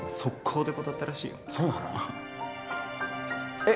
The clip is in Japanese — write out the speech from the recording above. えっ？